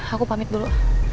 aku pamit dulu